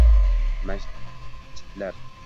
Masjidlar.